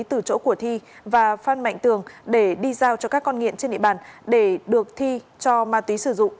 từ chỗ của thi và phan mạnh tường để đi giao cho các con nghiện trên địa bàn để được thi cho ma túy sử dụng